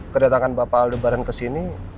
kedatangan bapak aldi barang kesini